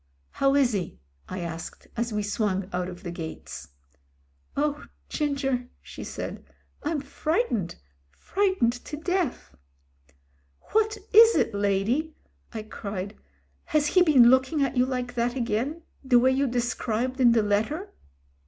"How is he ?" I asked, as we swung out of the gates. "Oh! Ginger," she said. "I'm frightened — fright ened to death." "What is it, lady," I cried. "Has he been looking at you like that again, the way you described in the letter?"